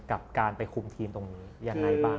กับการไปคุมทีมตรงนี้ยังไงบ้าง